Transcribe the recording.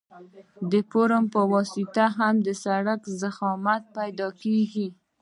د فورمول په واسطه هم د سرک ضخامت پیدا کیږي